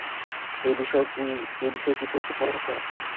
এ বিষয়ে কিছু ঠিক মনে হচ্ছে না।